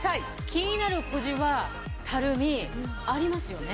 気になる小じわたるみありますよね。